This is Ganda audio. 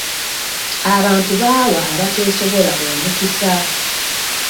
Abantu bawa abateesobola omukisa.